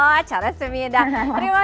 oh jajanasemida terima kasih